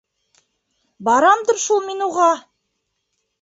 Барамдыр шул мин уға.